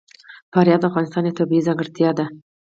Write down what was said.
فاریاب د افغانستان یوه طبیعي ځانګړتیا ده.